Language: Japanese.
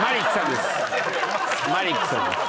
マリックさんです。